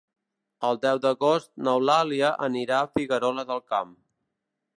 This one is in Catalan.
El deu d'agost n'Eulàlia anirà a Figuerola del Camp.